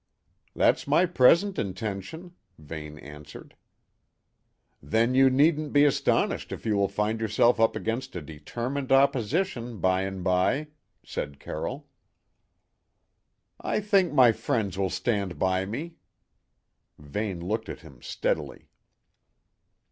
"That's my present intention," Vane answered. "Then you needn't be astonished if you find yourself up against a determined opposition by and by," said Carroll. "I think my friends will stand by me." Vane looked at him steadily.